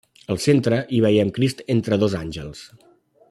Al centre, hi veiem Crist entre dos àngels.